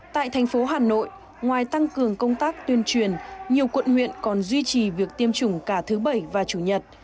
tại thành phố hà nội ngoài tăng cường công tác tuyên truyền nhiều quận huyện còn duy trì việc tiêm chủng cả thứ bảy và chủ nhật